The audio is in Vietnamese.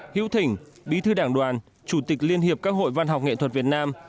hiếu thỉnh bí thư đảng đoàn chủ tịch liên hiệp các hội văn học nghệ thuật việt nam